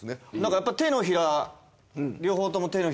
やっぱり手のひら。